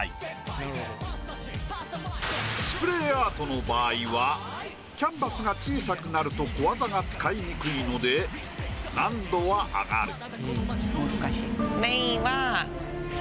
スプレーアートの場合はキャンバスが小さくなると小技が使いにくいので難度は上がる。